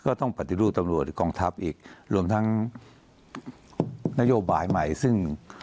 ต้องปฏิรูปตำรวจกองทัพอีกรวมทั้งนโยบายใหม่ซึ่ง